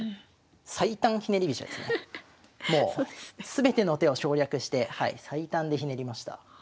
全ての手を省略して最短でひねりました。